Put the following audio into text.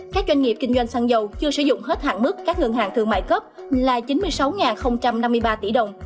các doanh nghiệp kinh doanh xăng dầu chưa sử dụng hết hạn mức các ngân hàng thương mại cấp là chín mươi sáu năm mươi ba tỷ đồng